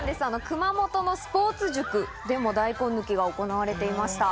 熊本のスポーツ塾でも大根抜きが行われていました。